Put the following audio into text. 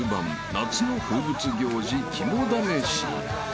［夏の風物行事肝試し］